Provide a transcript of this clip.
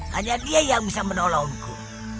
hanya dia yang bisa menolongku